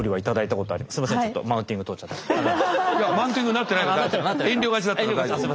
僕もマウンティングになってないから大丈夫遠慮がちだったから大丈夫。